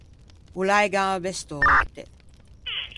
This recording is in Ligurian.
O l’à e gambe stòrte.